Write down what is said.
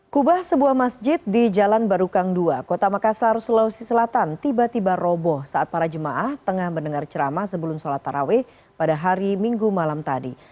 kubah sebuah masjid di jalan barukang dua kota makassar sulawesi selatan tiba tiba roboh saat para jemaah tengah mendengar ceramah sebelum sholat taraweh pada hari minggu malam tadi